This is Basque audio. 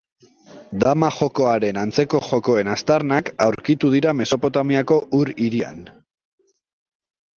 Dama-jokoaren antzeko jokoen aztarnak aurkitu dira Mesopotamiako Ur hirian.